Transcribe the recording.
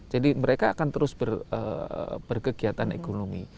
jadi mereka akan terus berkegiatan ekonomi